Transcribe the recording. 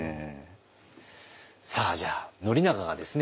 さあじゃあ宣長がですね